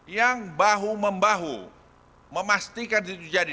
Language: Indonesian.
yang bahu membahu memastikan itu jadi